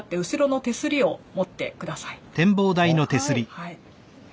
はい。